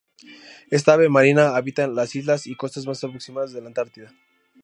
Esta ave marina habita las islas y costas más próximas a la Antártida.